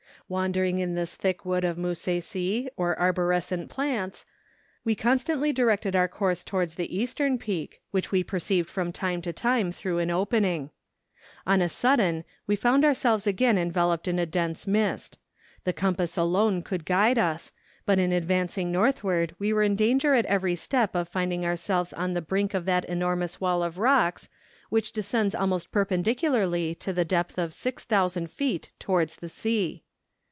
Wandering in this thick wood of musaceae or arborescent plants, we constantly directed our course towards the eastern peak, which we perceived from THE SILLA OF CARACAS. 285 time to time through an opening. On a sudden we found ourselves again enveloped in a dense mist; the compass alone could guide us, but in advancing northward we were in danger at every step of finding ourselves on the brink of that enormous wall of rocks which descends almost perpendicularly to the depth of six thousand feet towards the sea.